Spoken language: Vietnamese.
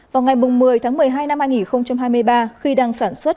vào ngày một mươi một mươi hai hai nghìn hai mươi ba khi đang sản xuất